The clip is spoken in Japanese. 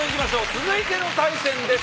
続いての対戦です。